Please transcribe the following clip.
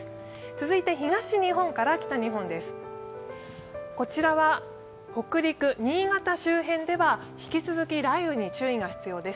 続いて東日本から北日本です。